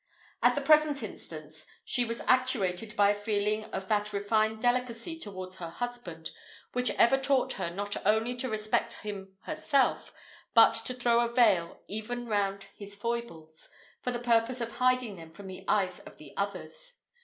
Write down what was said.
In the present instance, she was actuated by a feeling of that refined delicacy towards her husband, which ever taught her not only to respect him herself, but to throw a veil even round his foibles, for the purpose of hiding them from the eyes of the others.